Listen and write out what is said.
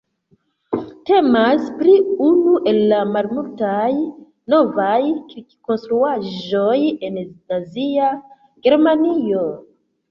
Temas pri unu el la malmultaj novaj kirkkonstruaĵoj en Nazia Germanio.